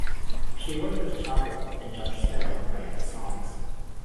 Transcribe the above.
She worked with Chappell and Judge Smith on writing the songs.